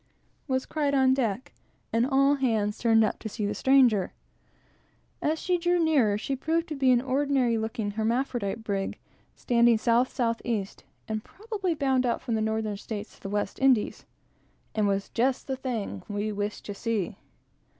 was cried on deck; and all hands turned up to see the stranger. As she drew nearer, she proved to be an ordinary looking hermaphrodite brig, standing south south east; and probably bound out, from the Northern States, to the West Indies; and was just the thing we wished to see.